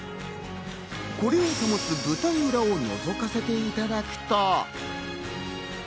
これを保つ舞台裏を覗かせていただくと。